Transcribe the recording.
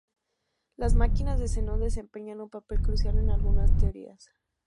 Las máquinas de Zenón desempeñan un papel crucial en algunas teorías.